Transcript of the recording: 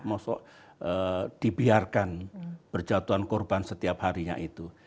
maksudnya dibiarkan berjatuhan korban setiap harinya itu